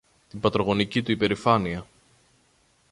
την πατρογονική του υπερηφάνεια